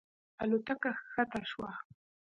الوتکه ښکته شوه.